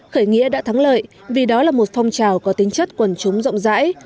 khởi nghĩa đã thắng lợi vì đó là một phong trào có tính chất quần chúng rộng rãi